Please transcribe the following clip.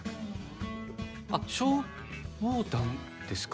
あっ消防団ですか？